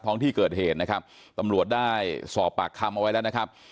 ท้องที่เกิดเหตุนะครับตำรวจได้สอบปากคำเอาไว้แล้วนะครับ